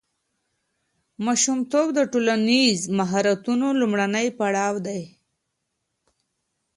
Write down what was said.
ماشومتوب د ټولنیز مهارتونو لومړنی پړاو دی.